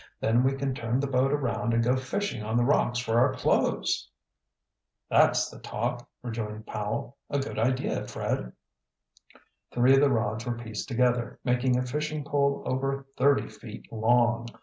Then we can turn the boat around and go fishing on the rocks for our clothes." "That's the talk," rejoined Powell. "A good idea, Fred." Three of the rods were pieced together, making a fishing pole over thirty feet long.